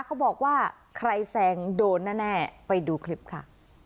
เขาบอกว่าใครแซงโดนแน่ไปดูคลิปค่ะ